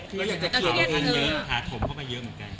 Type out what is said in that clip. แต่เครียดมั้ย